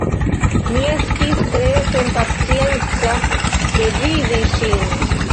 Mi estis tre senpacienca revidi ŝin.